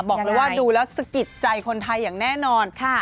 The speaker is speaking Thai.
บอกเลยว่าดูแล้วสะกิดใจคนไทยอย่างแน่นอน